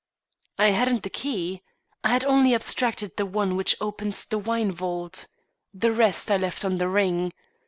"I hadn't the key. I had only abstracted the one which opens the wine vault. The rest I left on the ring.